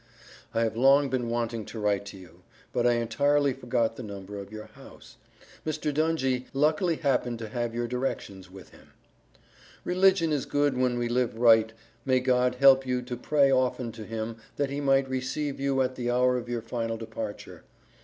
I have long been wanting to write to you but I entirely forgot the number of your house Mr. Dungy luckily happened to have your directions with him. Religion is good when we live right may God help you to pray often to him that he might receive you at the hour of your final departure.